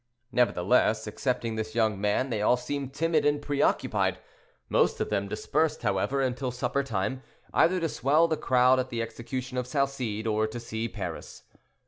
Nevertheless, excepting this young man, they all seemed timid and preoccupied. Most of them dispersed, however, until supper time, either to swell the crowd at the execution of Salcede, or to see Paris.